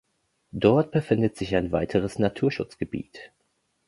Dort befindet sich ein weiteres Naturschutzgebiet.